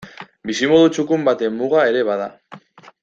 Bizimodu txukun baten muga ere bada.